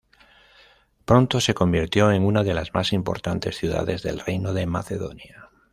Pronto se convirtió en una de las más importantes ciudades del Reino de Macedonia.